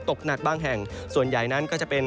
ตกหนักบางแห่งส่วนใหญ่นั้นก็จะเป็น